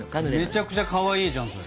めちゃくちゃかわいいじゃんそれ。